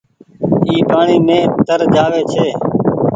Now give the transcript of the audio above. اي پآڻيٚ مين تر جآوي ڇي۔